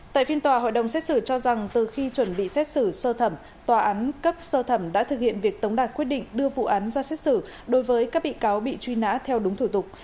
tại phiên tòa hội đồng xét xử cho rằng từ khi chuẩn bị xét xử sơ thẩm tòa án cấp sơ thẩm đã thực hiện việc tống đạt quyết định đưa vụ án ra xét xử đối với các bị cáo bị truy nã theo đúng thủ tục